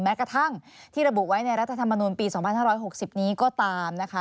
แม้กระทั่งที่ระบุไว้ในรัฐธรรมนูลปี๒๕๖๐นี้ก็ตามนะคะ